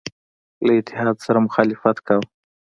له اتحاد سره مخالفت کاوه.